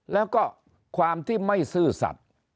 แล้วก็ความที่ไม่ซื่อสัตว์